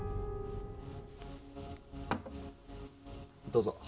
どうぞ。